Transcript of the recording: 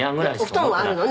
「お布団はあるの？